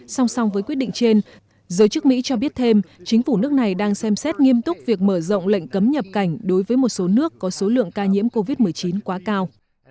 song song với quyết định trên giới chức mỹ cho biết thêm chính phủ nước này đang xem xét nghiêm túc việc mở rộng lệnh cấm nhập cảnh đối với một số nước có số lượng ca nhiễm covid một mươi chín quá cao